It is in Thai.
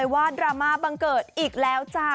ว่าดราม่าบังเกิดอีกแล้วจ้า